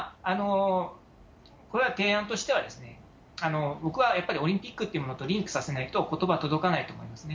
これは提案としては、僕はやっぱりオリンピックっていうものとリンクさせないと、ことばは届かないと思いますね。